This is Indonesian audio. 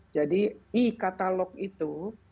jadi e katalog itu